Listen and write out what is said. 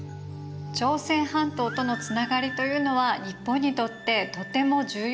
朝鮮半島とのつながりというのは日本にとってとても重要だったんですね。